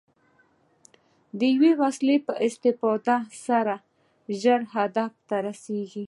د یوې وسیلې په استفادې سره ژر هدف ته رسېږي.